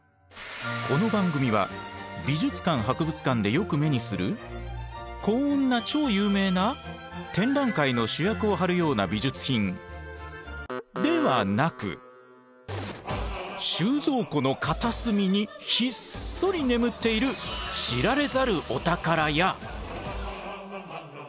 この番組は美術館・博物館でよく目にするこんな超有名な展覧会の主役を張るような美術品ではなく収蔵庫の片隅にひっそり眠っている知られざるお宝や。